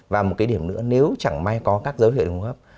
và một cái điểm nữa nếu chẳng may có các dấu hiệu đồng hợp